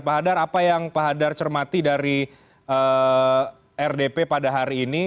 pak hadar apa yang pak hadar cermati dari rdp pada hari ini